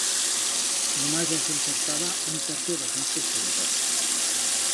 Nomás la hez encertada un tercio d'os nuestros seguidors.